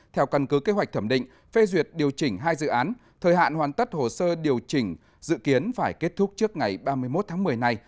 theo căn cứ kế hoạch thẩm định phê duyệt điều chỉnh hai dự án thời hạn hoàn tất hồ sơ điều chỉnh dự kiến phải kết thúc trước ngày ba mươi một tháng một mươi này